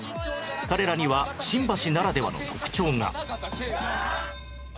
彼らには新橋ならではの特徴が